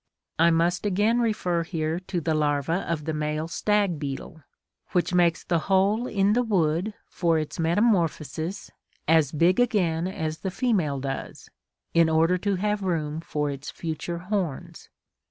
(41) I must again refer here to the larva of the male stag beetle, which makes the hole in the wood for its metamorphosis as big again as the female does, in order to have room for its future horns.